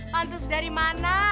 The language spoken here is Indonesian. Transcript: pantes dari mana